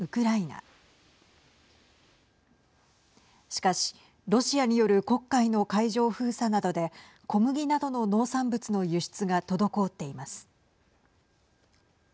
しかしロシアによる黒海の海上封鎖などで小麦などの農産物の輸出が滞っています。